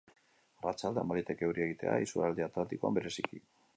Arratsaldean, baliteke euria egitea, isurialde atlantikoan bereziki.